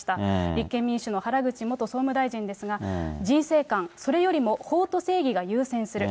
立憲民主の原口元総務大臣ですが、人生観、それよりも法と正義が優先する。